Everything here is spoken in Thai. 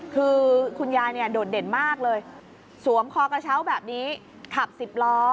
คือคุณยายเนี่ยโดดเด่นมากเลยสวมคอกระเช้าแบบนี้ขับสิบล้อ